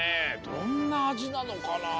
どんなあじなのかなあ？